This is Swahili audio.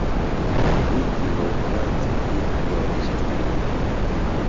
gwiji wa Uholanzi ndiye aliyeanzisha stahili hii